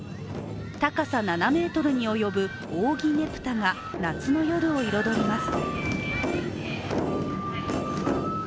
高さ７ｍに及ぶ扇ねぷたが夏の夜を彩ります。